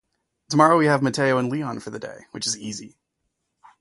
Tomorrow we have Mateo and Leon for the day, which is easy